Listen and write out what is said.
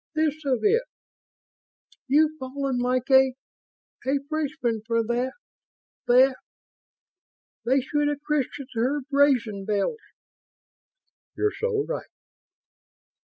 "This of it. You've fallen like a ... a freshman for that ... that ... they should have christened her 'Brazen' Bells!" "You're so right."